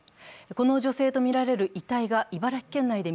この女性とみられる遺体が茨城県内で